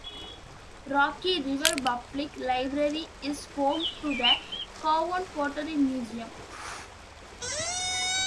Rocky River Public Library is home to the Cowan Pottery Museum.